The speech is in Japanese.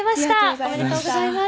おめでとうございます。